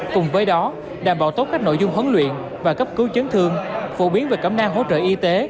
cùng với đó đảm bảo tốt các nội dung huấn luyện và cấp cứu chấn thương phổ biến về cẩm nang hỗ trợ y tế